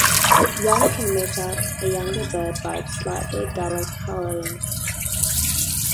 One can make out a younger bird by its slightly duller coloring.